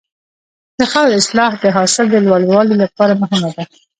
د خاورې اصلاح د حاصل د لوړوالي لپاره مهمه ده.